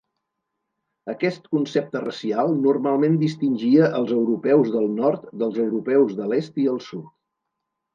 Aquest concepte racial normalment distingia els europeus del nord dels europeus de l'est i el sud.